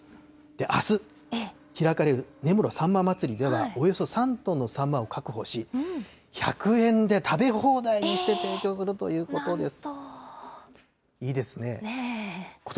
あす開かれる根室さんま祭りでは、およそ３トンのサンマを確保し、１００円で食べ放題にして提供するということです。